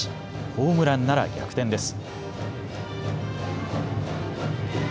ホームランなら逆転です。